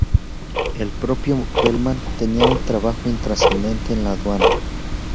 El propio Bellman tenia un trabajo intrascendente en la aduana.